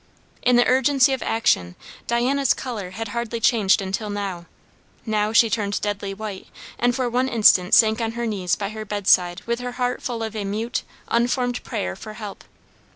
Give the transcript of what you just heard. In the urgency of action, Diana's colour had hardly changed until now; now she turned deadly white, and for one instant sank on her knees by her bedside with her heart full of a mute, unformed prayer for help.